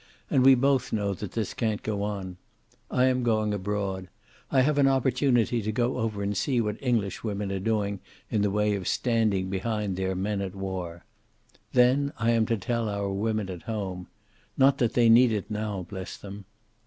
And we both know that this can't go on. I am going abroad. I have an opportunity to go over and see what Englishwomen are doing in the way of standing behind their men at war. Then I am to tell our women at home. Not that they need it now, bless them!